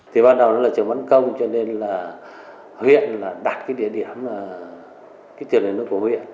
thì bắt đầu là trường văn công cho nên là huyện là đặt cái địa điểm là cái trường này nó của huyện